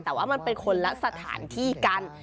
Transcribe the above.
แต่ว่ามันเป็นคนละสถานที่กัน